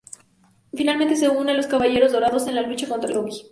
Finalmente se une a los Caballeros Dorados en la lucha contra Loki.